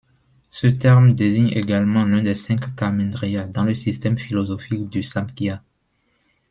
Ce terme désigne également l'un des cinq karmendriya dans le système philosophique du Samkhya.